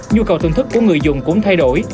nhu cầu thưởng thức của người dùng cũng thay đổi